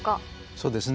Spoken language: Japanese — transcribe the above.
そうですね。